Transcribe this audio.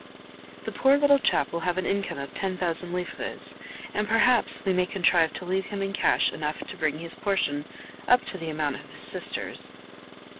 The poor little chap will have an income of ten thousand livres, and perhaps we may contrive to leave him in cash enough to bring his portion up to the amount of his sister's.